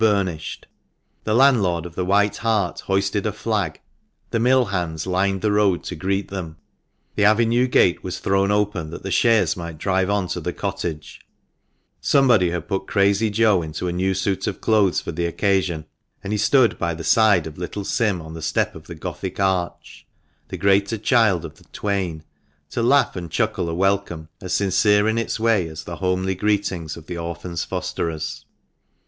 burnished; the landlord of the "White Hart" hoisted a flag; the mill hands lined the road to greet them ; the avenue gate was thrown open that the chaise might drive on to the cottage; somebody had put Crazy Joe into a new suit of clothes for the occasion, and he stood by the side of little Sim on the step of the Gothic arch (the greater child of the twain) to laugh and chuckle a welcome, as sincere in its way as the homely greetings of the orphan's fosterers.